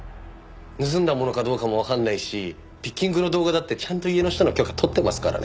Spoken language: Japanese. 盗んだものかどうかもわかんないしピッキングの動画だってちゃんと家の人の許可取ってますからね。